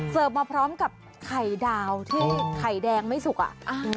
มาพร้อมกับไข่ดาวที่ไข่แดงไม่สุกอ่ะ